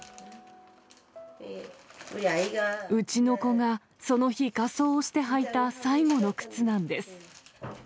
うちの子がその日、仮装をしてはいた最後の靴なんです。